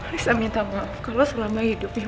bisa minta maaf kalau selama hidupnya